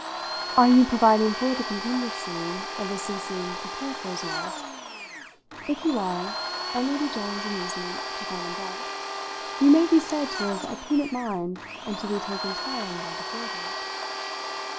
"Are you providing for the contingency of his ceasing to care for his wife? If you are" and Lady John's amusement took on a breadth "you may be said to have a prudent mind and to be taking time by the forelock."